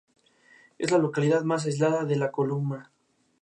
Es la localidad más aislada de la comuna.